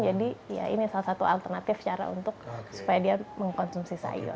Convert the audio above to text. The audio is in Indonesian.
jadi ini salah satu alternatif cara untuk supaya dia mengkonsumsi sayur